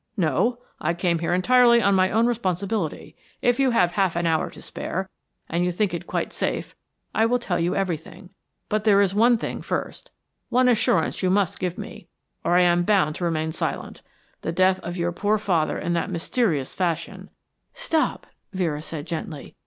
"No, I came here entirely on my own responsibility. If you have half an hour to spare, and you think it quite safe, I will tell you everything. But there is one thing first, one assurance you must give me, or I am bound to remain silent. The death of your poor father in that mysterious fashion " "Stop," Vera said gently.